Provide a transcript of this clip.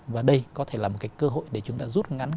và đây có thể là một cái cơ hội để chúng ta rút ngắn